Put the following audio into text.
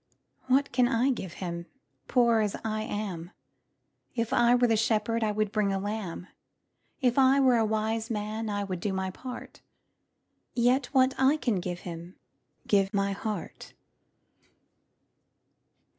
What can I give Him, Poor as I am? If I were a shepherd, I would bring a lamb; If I were a wise man, I would do my part: Yet what I can I give Him, Give my heart.